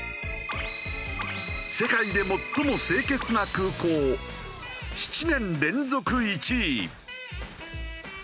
世界で最も清潔な空港７年連続１位。